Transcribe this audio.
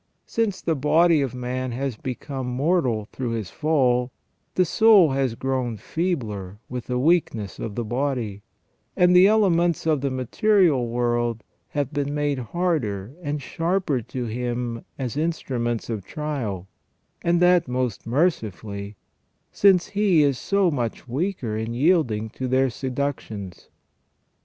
Since the body of man has become mortal through his fall, the soul has grown feebler with the weakness of the body, and the elements of the material world have been made harder and sharper to him as instruments of trial, and that most mercifully, since he is so much weaker in yielding to their seductions.